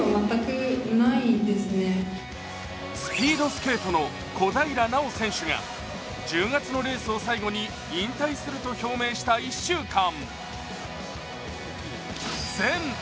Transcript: スピードスケートの小平奈緒選手が１０月のレースを最後に引退すると表明した１週間。